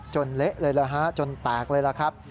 เละเลยนะฮะจนแตกเลยล่ะครับ